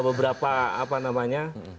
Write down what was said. beberapa apa namanya